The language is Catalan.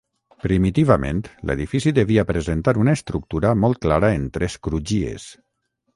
Primitivament l'edifici devia presentar una estructura molt clara en tres crugies.